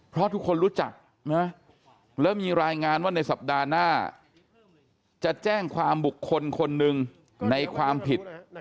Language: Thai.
เพราะทุกคนรู้จักนะแล้วมีรายงานว่าในสัปดาห์หน้าจะแจ้งความบุคคลคนหนึ่งในความผิด